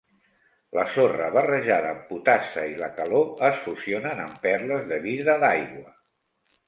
La sorra barrejada amb potassa i la calor es fusionen en perles de vidre d'aigua.